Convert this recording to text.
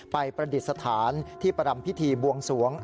ไปประดิษฐานที่ปรัมพิธีบวงสวง